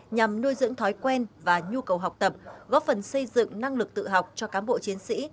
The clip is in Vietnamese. nhằm nuôi dưỡng thói quen và nhu cầu học tập góp phần xây dựng năng lực tự học cho cán bộ chiến sĩ